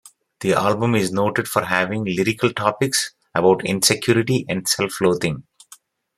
The album is noted for having lyrical topics about insecurity and self-loathing.